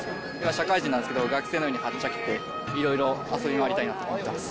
社会人なんですけど、学生のようにはっちゃけて、いろいろ遊び回りたいなと思ってます。